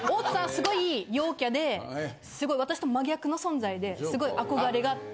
すごい陽キャですごい私と真逆の存在ですごい憧れがあって。